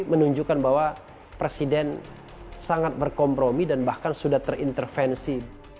menunjukkan bahwa presiden sangat berkompromi dan bahkan sudah terintervensi